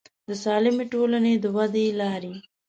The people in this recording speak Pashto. د سالمې ټولنې د ودې لارې